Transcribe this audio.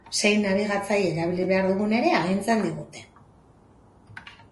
Zein nabigatzaile erabili behar dugun ere agintzen digute.